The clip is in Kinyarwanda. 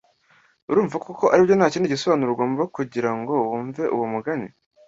Urumva koko ari byo nta kindi gisobanuro ugomba kugira ngo wumve uwo mugani